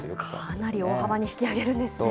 かなり大幅に引き上げるんですね。